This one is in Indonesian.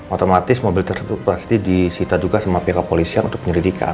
otomatis mobil tersebut pasti disita juga sama pihak polis yang untuk menyelidikan